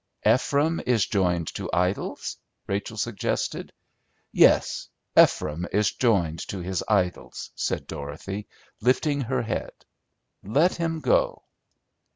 "Ephraim is joined to idols?" Rachel suggested. "Yes, Ephraim is joined to his idols," said Dorothy, lifting her head. "Let him go!"